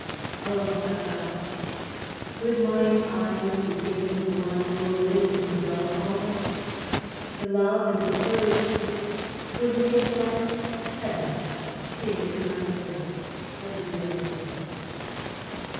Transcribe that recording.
Oh, thought I, could mine eyes be given To one who will live in the dark alway! To love and to serve 'twould make life Heaven Here in my villa at Viroflay.